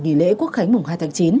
nghỉ lễ quốc khánh mùng hai tháng chín